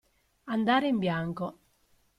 Andare in bianco.